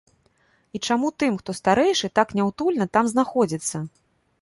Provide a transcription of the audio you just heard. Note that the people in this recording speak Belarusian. І чаму тым, хто старэйшы, так няўтульна там знаходзіцца?